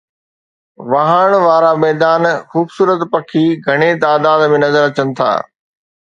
واهڻ وارا ميدان، خوبصورت پکي گهڻي تعداد ۾ نظر اچن ٿا.